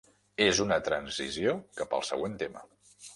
És una transició cap al següent tema.